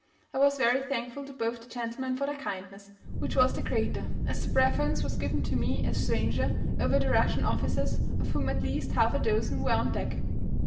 I was very thankful to both the gentlemen for their kindness, which was the greater, as the preference was given to me, a stranger, over the Russian officers, of whom at least half a dozen were on deck.